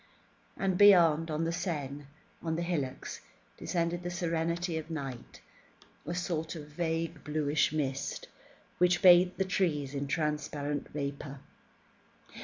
And beyond, on the Seine, on the hillocks, descended the serenity of night, a sort of vague bluish mist, which bathed the trees in transparent vapour.